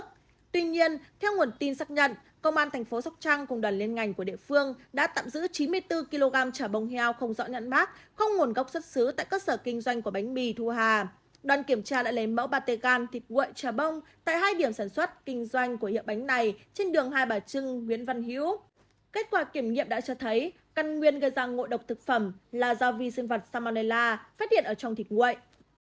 kết quả kiểm nghiệm đã cho thấy căn nguyên gây ra ngội độc thực phẩm là dao vi sinh vật salmonella phát hiện ở trong thịt nguội